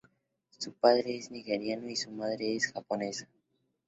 Su padre es nigeriano y su madre es japonesa.